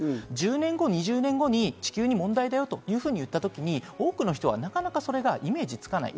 １０年後、２０年後に地球に問題だよといったときに、多くの人はなかなかイメージつかない。